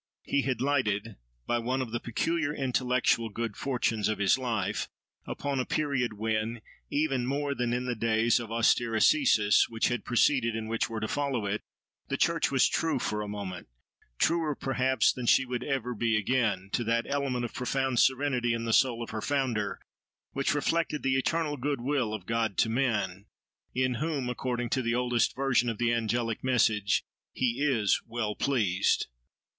He had lighted, by one of the peculiar intellectual good fortunes of his life, upon a period when, even more than in the days of austere ascêsis which had preceded and were to follow it, the church was true for a moment, truer perhaps than she would ever be again, to that element of profound serenity in the soul of her Founder, which reflected the eternal goodwill of God to man, "in whom," according to the oldest version of the angelic message, "He is well pleased."